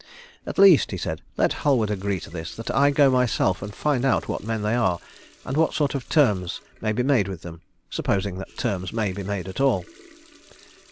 "At least," he said, "let Halward agree to this, that I go myself and find out what men they are, and what sort of terms may be made with them, supposing that terms may be made at all."